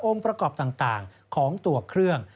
ประกอบต่างของตัวเครื่อง